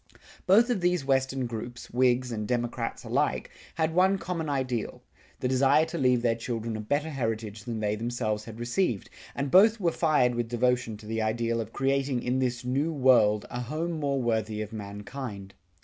Both of these Western groups, Whigs and Democrats alike, had one common ideal: the desire to leave their children a better heritage than they themselves had received, and both were fired with devotion to the ideal of creating in this New World a home more worthy of mankind.